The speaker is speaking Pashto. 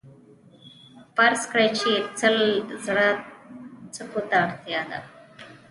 فرض کړئ چې سل زره سکو ته اړتیا ده